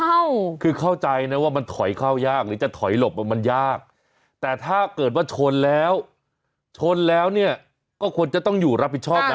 เข้าคือเข้าใจนะว่ามันถอยเข้ายากหรือจะถอยหลบมันยากแต่ถ้าเกิดว่าชนแล้วชนแล้วเนี่ยก็ควรจะต้องอยู่รับผิดชอบนะ